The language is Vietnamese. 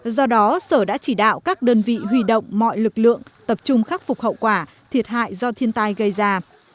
do đó sở đã chỉ đạo các đơn vị huy động mọi lực lượng tập trung khắc phục hậu quả thiệt hại do thiên tai gây ra